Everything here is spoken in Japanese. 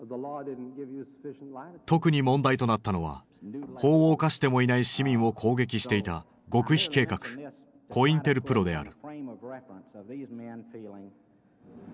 特に問題となったのは法を犯してもいない市民を攻撃していた極秘計画コインテルプロである。